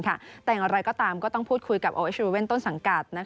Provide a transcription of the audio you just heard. แต่อย่างไรก็ตามก็ต้องพูดคุยกับโอเอสรูเว่นต้นสังกัด